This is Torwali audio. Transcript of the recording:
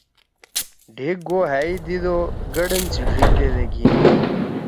ڈھیگ گھو ہأ یے دیِد او گڑن سی ڙھیک دیدے گھین۔